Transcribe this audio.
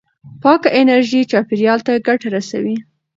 پاکه انرژي چاپېریال ته ګټه رسوي.